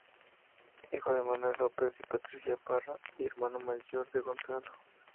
Hijo de Manuel López y Patricia Parra, y hermano mayor de Gonzalo.